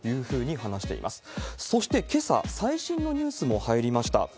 そしてけさ、最新のニュースも入りました。